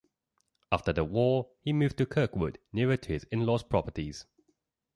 After the war, he moved to Kirkwood nearer to his in-laws properties.